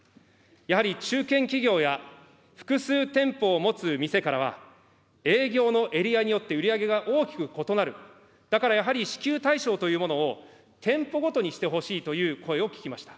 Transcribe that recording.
やはり中堅企業や複数店舗を持つ店からは、営業のエリアによって売り上げが大きく異なる、だからやはり支給対象というものを、店舗ごとにしてほしいという声を聞きました。